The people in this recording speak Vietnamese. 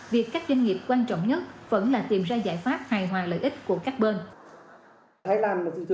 việc các doanh nghiệp quan trọng nhất